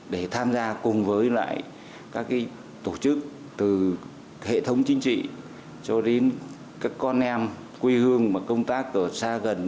để tham gia cùng với lại các tổ chức từ hệ thống chính trị cho đến các con em quê hương mà công tác ở xa gần